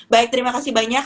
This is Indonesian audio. baik terima kasih banyak